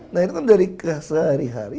nah itu kan dari sehari hari